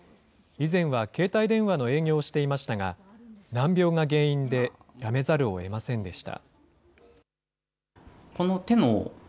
以前は携帯電話の営業をしていましたが、難病が原因で辞めざるをえませんでした。